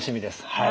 はい。